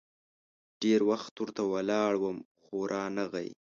ډېر وخت ورته ولاړ وم ، خو رانه غی.